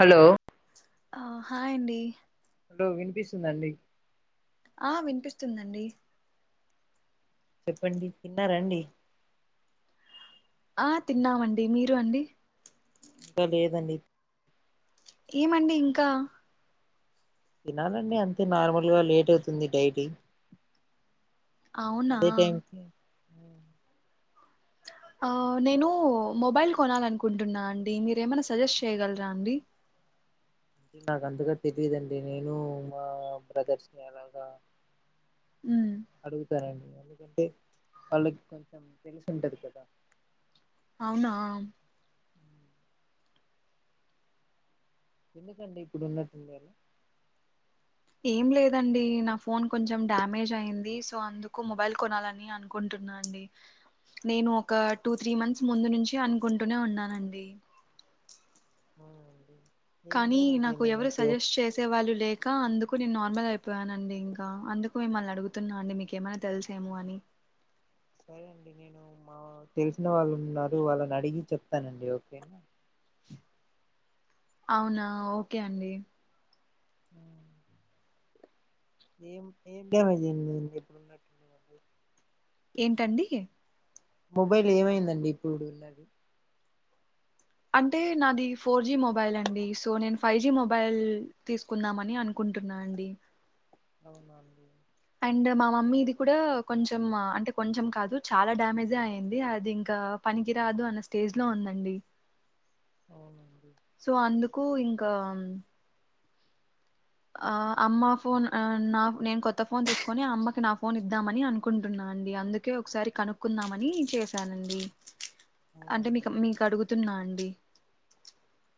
Hello ఆ hi అండి hello వినిపిస్తుందండి? ఆ వినిపిస్తుందండి. చెప్పండి తిన్నారాండి? ఆ తిన్నామండి, మీరు అండి? ఇంకా లేదండి ఏమండి ఇంకా తినాలండి, అంతే నార్మల్గా లేట్ అవుతుంది డైలీ అవునా అదే టైంకి ఆ నేను మొబైల్ కొనాలనుకుంటున్నా అండి. మీరేమైనా సజెస్ట్ చేయగలరా అండి? అంటే నాకు అంతగా తెలిదండి. నేను మా బ్రదర్స్ ని అలాగా ఉమ్ అడుగుతానండి. ఎందుకంటే వాళ్ళకి కొంచెం తెలిసుంటది కదా. అవునా ఎందుకండి ఇప్పుడు ఉన్నట్టుంది కాదు. ఏం లేదండి. నా ఫోన్ కొంచెం డ్యామేజ్ అయింది. సో అందుకు మొబైల్ కొనాలని అనుకుంటున్నా అండి. నేను ఒక టూ త్రీ మంత్స్ ముందు నుంచి అనుకుంటూనే ఉన్నానండి. అ అండి. కానీ నాకు ఎవరు సజెస్ట్ చేసే వాళ్ళు లేక అందుకు ఇప్పుడు నేను నార్మల్ అయిపోయాను అండి ఇంకా అందుకు మిమ్మల్ని అడుగుతున్నా అండి. మీకేమైనా తెలుసేమో అని సరే అండి నేను మా తెలిసిన వాళ్ళు ఉన్నారు. వాళ్ళని అడిగి చెప్తానండి ఓకేనా. అవునా ఓకే అండి. అ ఏం డమేజ్ అయ్యింది ఎప్పుడున్న ఏంటండీ. మొబైల్ ఏమైందండి ఇప్పుడు ఉన్నది. అంటే నాది ఫోర్ జీ మొబైల్ అండి. సో నేను ఫైవ్ జీ మొబైల్ తీసుకుందామని అనుకుంటున్నా అండి. అవునండి. అండ్ మా ఓ మమ్మీది కూడా కొంచెం అంటే కొంచెం కాదు చాలా డ్యామేజే అయింది అది ఇంకా పనికిరాదు అన్న స్టేజ్ లో ఉందండి. అవునండి కు ఇంకా. ఆహ్ అమ్మ ఫోన్ ఆ నా నేను కొత్త ఫోన్ తీసుకొని అమ్మకి నా ఫోన్ ఇద్దామని అనుకుంటున్నా అండి. అందుకే ఒకసారి కనుక్కుందామని చేశానండి. అంటే మీకు అవునండి మీకు అడుగుతున్నా అండి. కుడి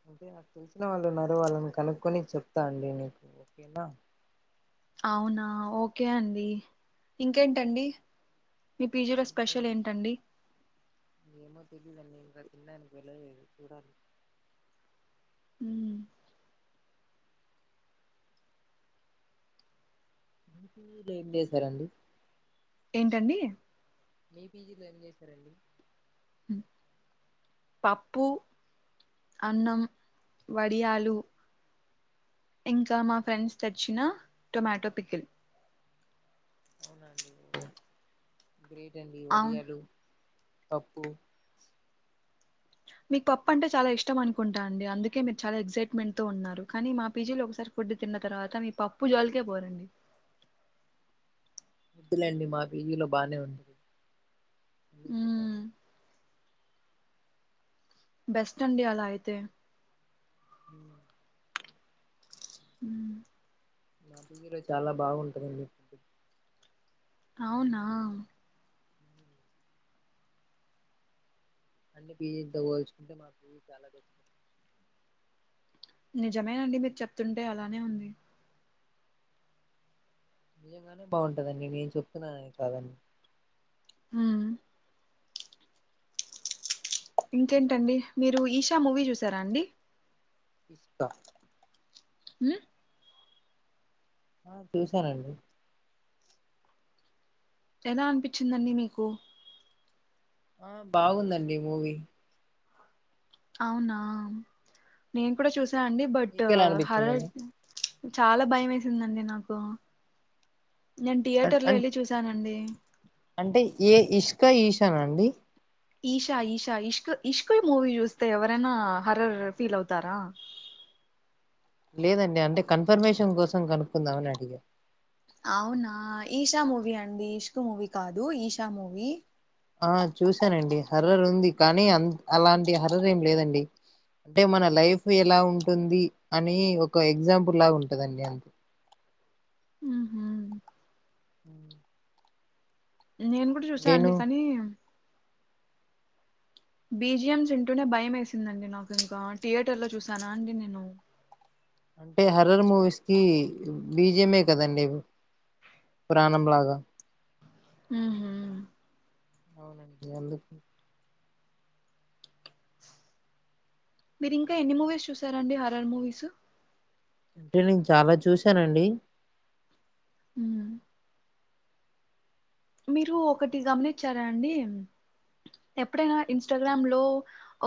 అంటే నాకు తెలిసిన వాళ్ళు ఉన్నారు. వాళ్ళని కనుక్కొని చెప్తా అండి. నీకు ఓకేనా. అవునా ఓకే అండి ఇంకేంటండి. మీ పీజీలో ముందే స్పెషల్ ఏంటండి. ఏమో తెలీదండి నేను ప్రస్తుతానికి వెళ్లలేదు. చూడాలి. ఉమ్ పొద్దున్నుంచి ఏం చేశారండీ. ఏంటండి పీజీలో ఏం చేశారండి. పప్పు అన్నం వడియాలు ఇంకా మా ఫ్రెండ్స్ తెచ్చిన టొమాటో పికిల్. అవునండి ఓ. గ్రేట్ అండి అవును వడియాలు. పప్పు మీకు పప్పు అంటే చాలా ఇష్టం అనుకుంటా అండి. అందుకే మీరు చాలా ఎక్సైట్ మెంట్ తో ఉన్నారు. కానీ మా పీజీలో ఒకసారి ఫుడ్ తిన్న తర్వాత మీరు పప్పు జోలికే పోరండి. వద్దులేండి మా పీజీ లో బానే ఉంది. మీతో మ్మ్. పని. బెస్ట్ అండి అలా అయితే. ఉమ్ ఉమ్ మా దగ్గర చాలా బాగుంటదండి. అవునా మ్మ్. అన్ని బిజంత పోల్చుకుంటే మా పువ్వు చాలా తెచ్చుంది నిజమేనండి మీరు చెప్తుంటే అలానే ఉంది నిజంగానే బాగుంటందండి నేను చెప్తున్నానుని కాదండి హ ఇంకేంటండి మీరు ఈషా మూవీ చూసారా అండి ఇస్తస్తా అ ఆ చూసానండి ఎలా అనిపించిందండి మీకు ఆ బాగుందండి మూవీ అవునా నేను కూడా చూసి అండి బట్ మీకెలా హర అనిపించిందండి చాలా భయం వేసిందండి నాకు నేను అన్ థియేటర్ లో అన్ వెళ్ళి చూసానండి ఇకా ఈశానా అండి ఈషా ఈషా ఇష్క ఇష్క మూవీ చూస్తే ఎవరైనా హరర్ ఫీల్ అవుతారా లేదండి అంటే కన్ఫర్మేషన్ కోసం కనుక్కుందామని అడిగా అవునా ఈషా మూవీ అండి ఇష్కు మూవీ కాదు ఈషా మూవీ ఆ చూసానండి హర్రర్ ఉంది కానీ అ అలాంటి హర్రర్ ఏం లేదండి అంటే మన లైఫ్ ఎలా ఉంటుంది అని ఒక ఎగ్జాంపుల్ లాగా ఉంటందండి అంత ఉహ హ్మ్ నేను కూడా చూసానునండి కానీ బీజిఎమ్స్ తంటూనే భయం వేసిందండి నాకు ఇంకా థియేటర్ లో చూసానా అండి నేను అంటే హర్రర్ మూవీస్కి బీజమే కదండి ప్రాణంలాగా హ అవునండి ఎందుకు మీరింకా ఎన్ని మూవీస్ చూసారండి హారర్ మూవీస్ [unintelligible] నేను చాలా చూశానండి హ మీరు ఒకటి గమనించారా అండి ఎప్పుడైనా ఇన్స్టాగ్రామ్ లో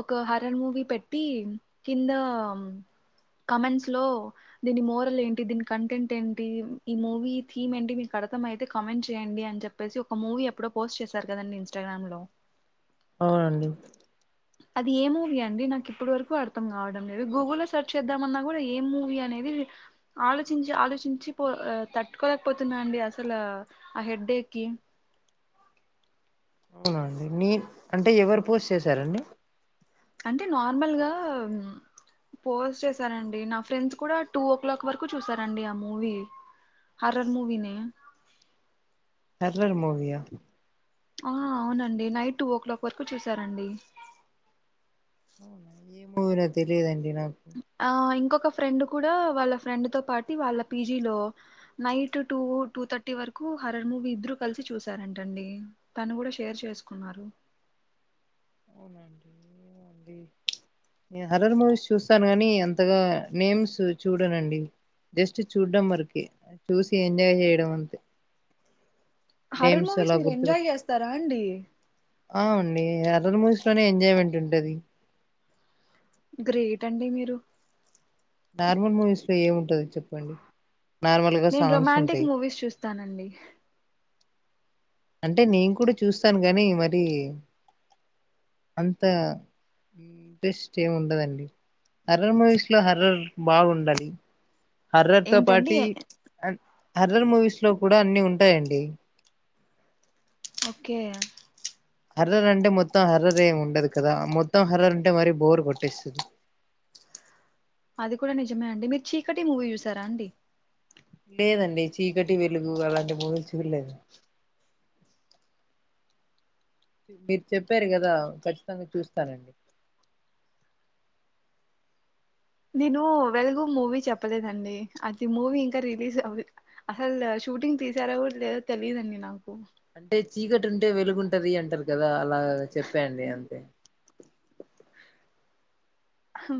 ఒక హరన్ మూవీ పెట్టి కింద కమెంట్స్ లో దీని మోరల్ ఏంటి దీని కంటెంట్ ఏంటి ఈ మూవీ థీమ్ ఏంటి మీకు అర్థమ అయితే కమెంట్ చేయండి అని చెప్ చెప్పేసి ఒక మూవీ ఎప్పుడో పోస్ట్ చేశారు కదండి ఇన్స్టాగ్రామ్ లో ఆ అండి అది ఏ మూవీ అండి నాకు ఇప్పుడు వరకు అర్థం కావడం లేదు గూగుల్ లో సెర్చ్ చేద్దామన్నా కూడా ఏం మూవీ అనేది ఆలోచించి ఆలోచించి పో ఆ తట్టుకోలేకపోతున్నా అండి అసలు ఆ ఆ హెడ్డేక్కిి అవునండి నీ అంటే ఎవరు పోస్ట్ చేసారండి అంటే నార్మల్గా పోస్ చేసారండి నా ఫ్రెండ్స్ కూడా టూ ఓ క్లాక్ వరకు చూసారండి ఆ మూవీ హర్రర్ మూవీనే హర్రర్ మూవీ ఆ ఆ అవునండి నైట్ టూ ఓ క్లాక్ వరకు చూసారండి [inaudible] ఏం మూవీ నో తెలిదన్ ఆ ఇంకొ క ఫ్రెండ్ కూడా వాళ్ళ ఫ్రెండ్ తో పాటి వాళ్ళ పీ జీ లో నైట్ టూ టూ థర్టీ వరకు హర్రర్ మూవీ ఇద్దరు కలిసి చూశారంటండి తను కూడా షేర్ చేసుకున్నారు అవునండి [inaudible] హర్రర్ మూవీస్ చూస్తాను గాని అంతగా నేమ్స్ చూడనండి జస్ట్ చూడడం వరకి చూసి ఎంజాయ్ చేయడం అంతే హర్రర్ నేమ్స్ మూవీస్ అలా మీరు గుర్తు ఎంజాయ్ చేస్తారా అండి ఆ అండి హర్రర్ మూవీస్ లోనే ఎంజాయ్మెంట్ ఉంటది గ్రేట్ అండి మీరు నార్మల్ మూవీస్ లో ఏముంటది చెప్పండి. నార్మల్గా నేను సాంగ్స్ రొమాంటిక్ ఉంటాయ్ మూవీస్ చూస్తానండి అంటే నేను కూడా చూస్తాను. గానీ మరి అంత ఇంట్రెస్ట్ ఏమ్ ఉండదండి. హర్రర్ మూవీస్ లో హర్రర్ బాగుండాలి. హర్రర్తో ఏంటండి పార్టి అన్ హర్రర్ మూవీస్ లో కూడా అన్ని ఉంటాయండి. ఓకే హర్రర్ అంటే మొత్తం హర్రర్ ఏమి ఉండదు. కదా మొత్తం హర్రర్ ఉంటే మరీ బోర్ కొట్టేస్తుంది. అది కూడా నిజమే అండి. మీరు చీకటి మూవీ చూసారా అండి. లేదండి. చీకటి, వెలుగు అలాంటి మూవీలు చూడలేదు. మీరు చెప్పారు. కదా ఖచ్చితంగా చూస్తానండి. నేను వెలుగు మూవీ చెప్పలేదండి. అది మూవీ ఇంకా రీలీజ్ అ అసల్ షూటింగ్ తీసారో లేదో తెలియదండి. నాకు అంటే చీకటి ఉంటే వెలుగుంటది అంటారు. కదా అలా చెప్పా అండి. అంతే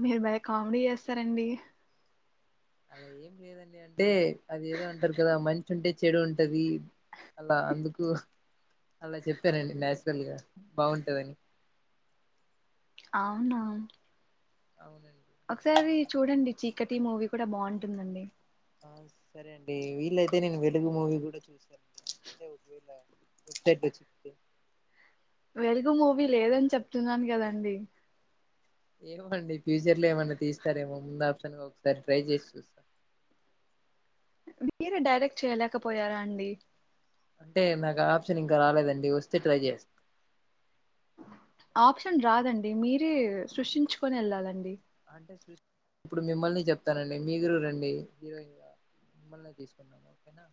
మీరు భలే కామెడీ చేస్తారండి. అలా ఏం లేదండి. అంటే అది ఏదో అంటారు. కదా మంచి మంచి ఉంటే చెడు ఉంటది. అలా అందుకు అలా చెప్పానండి. నాచురల్గా బాగుంటదని. అవునా అవునండి ఒకసారి చూడండి. చీకటి మూవీ కూడా బాగుంటుందండి. సరే అండి. వీలైతే నేను వెలుగు మూవీ కూడా చూస్తానండి. అంటే ఒకవేళ వెబ్సైట్ వచ్చి వెలుగు మూవీ లేదని చెప్తున్నాను కదండి. ఏమో అండి. ఫ్యూచర్ లో ఏమన్నా తీస్తారేమో ముందు ఆప్షన్ ఒకసారి ట్రై చేసి చూస్తా. మిరే డైరెక్ట్ చేయలేకపోయారా అండి. అంటే నాకు ఆప్షన్ ఇంకా రాలేదండి. వస్తే ట్రై చేస్తా ఆప్షన్ రాదండి. మీరే సృష్టించుకొని వెళ్ళాలండి అంటేష్ ఇప్పుడు మిమ్మల్ని చెప్తానండి. మీరు రండి హీరోయిన్గా మిమ్మల్ని తీసుకుంటాము. ఓకేనా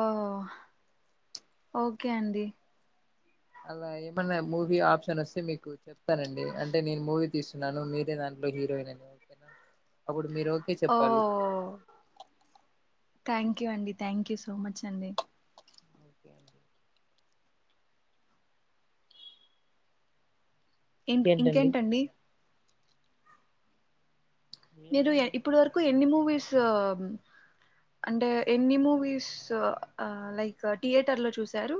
ఓ ఓ ఓకే అండి. అలా ఏమలే మూవీ ఆప్షన్ వస్తే మీకు చెప్తానండి. అంటే నేను మూవీ తీస్తున్నాను. మీరే దాంట్లో హీరోయిన్ అని ఓకేనా అప్పుడు మీరు ఒకే ఓ చెప్పాలి. థ్యాంక్ యూ అండి. థ్యాంక్ యూ సో మచ్ అండి. ఓకే అండి ఇంక్ ఇంకేంటండి. ఏం మీరు లేదండి ఇప్పుడు వరకు ఎన్ని మూవీస్ అంటే ఎన్ని మూవీస్ లైక్ థియేటర్ లో చూసారు.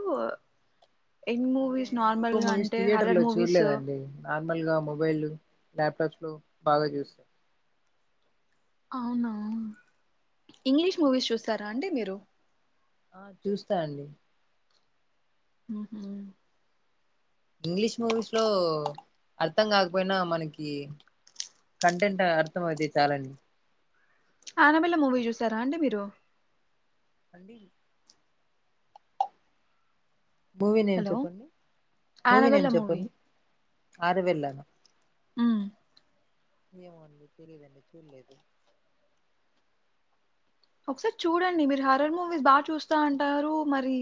ఎన్ని అంటే మూవీస్ నార్మల్ ఎక్కువ గా మూవీస్ అంటే థియేటర్ హర్రర్ లో మూవీస్ చూడలేదండి. నార్మల్ గా మొబైల్ ల్యాప్టాప్స్ లో బాగా చూసాను. అవునా ఇంగ్లీష్ మూవీస్ చూస్తారా అండి. మీరు ఆ చూస్తా అండి. హు హ్మ్ ఇంగ్లీష్ మూవీస్ లో అర్థం కాకపోయినా, మనకి కంటెంట్ అర్థం అయితే చాలండి. ఆనబిల్ల మూవీ చూసారా అండి మీరు అండి మూవీ నేమ్ హలో చెప్పండి మూవీ ఆనబెల్ల నేమ్ మూవీ చెప్పండి అరేవళ్ళ హు ఏమో అండి తెలియదండి చూడలేదు ఒకసారి చూడండి మీరు హరర్ మూవీస్ బాగా చూస్తా అంటారు మరి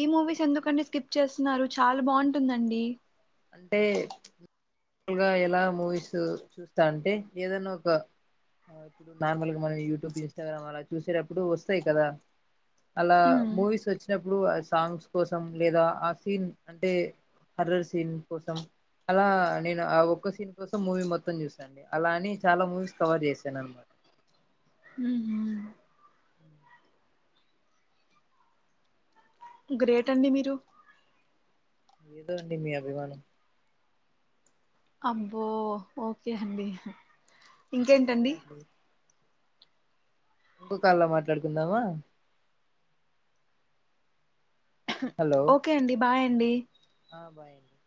ఈ మూవీస్ ఎందుకండి స్కిప్ చేస్తున్నారు చాలా బాగుంటుందండి అంటే నార్ల్గా ఎలా మూవీస్ చూస్తా అంటే ఏదైనా ఒక ఇప్పుడు నార్మల్గా మనం యూట్యూబ్ ఇన్స్టాగ్రామ్ అలా చూసేటప్పుడు వస్తాయి కదా అలా ఉహు మూవీస్ వచ్చినప్పుడు సాంగ్స్ కోసం లేదా ఆ సీన్ అంటే హర్రర్ సీన్ కోసం అలా నేను ఆ ఒక్క సీన్ కోసం మూవీ మొత్తం చూసాండి అలా అని చాలా మూవీస్ కవర్ చేశాను అన్నమాట హు హు గ్రేట్ అండి మీరు ఏదో అండి మీ అభిమానం అబ్బో ఓకే అండి సరే ఇంకేంటండి ఇంకో కాల్ మాట్లాడుకుందామా హలో ఓకే అండి బాయ్ అండి బాయ్ అండి